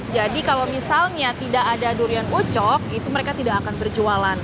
jadi kalau misalnya tidak ada durian ucok itu mereka tidak akan berjualan